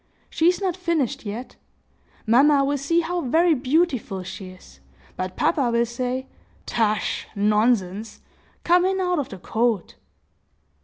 She is not finished yet. Mamma will see how very beautiful she is; but papa will say, 'Tush! nonsense!—come in out of the cold!